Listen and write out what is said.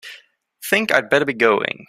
Think I'd better be going.